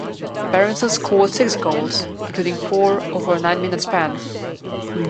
Berenson scored six goals, including four over a nine-minute span.